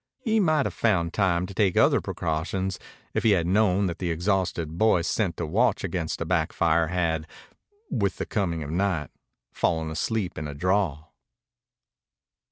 He might have found time to take other precautions if he had known that the exhausted boy sent to watch against a back fire had, with the coming of night, fallen asleep in a draw.